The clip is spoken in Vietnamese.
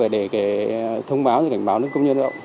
để thông báo và cảnh báo đến công nhân động